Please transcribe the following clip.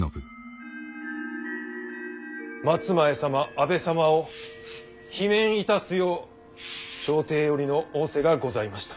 松前様阿部様を罷免いたすよう朝廷よりの仰せがございました。